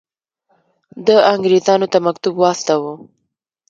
ده انګرېزانو ته مکتوب واستاوه.